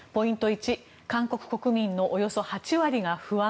１韓国国民のおよそ８割が不安。